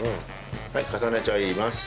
はい重ねちゃいます。